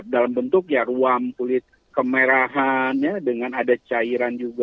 dalam bentuk ya ruam kulit kemerahan dengan ada cairan juga